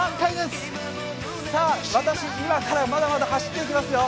さあ、私、今からまだまだ走って行きますよ！